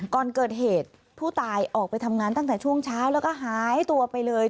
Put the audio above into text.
ก่อนเกิดเหตุผู้ตายออกไปทำงานตั้งแต่ช่วงเช้าแล้วก็หายตัวไปเลย